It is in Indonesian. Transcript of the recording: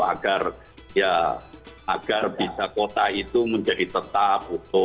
agar ya agar bisa kuota itu menjadi tetap